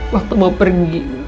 waktu mau pergi